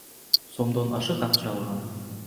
сомдон ашык акча алган.